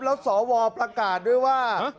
แล้วสวประกาศด้วยว่า